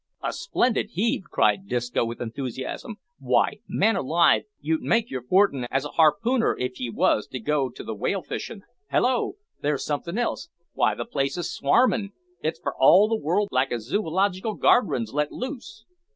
"A splendid heave!" cried Disco, with enthusiasm; "why, man alive, you'd make yer fortin' as a harpooner if ye was to go to the whale fishin'. Hallo! there's somethin' else; w'y, the place is swarmin'. It's for all the world like a zoological ga'rdings let loose."